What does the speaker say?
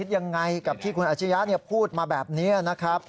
ยังไงกับที่คุณอาชียะพูดมาแบบนี้นะครับ